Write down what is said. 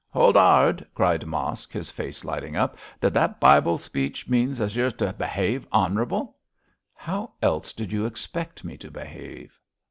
'Hold 'ard!' cried Mosk, his face lighting up; 'does that Bible speech mean as y' are goin' to behave honourable?' 'How else did you expect me to behave?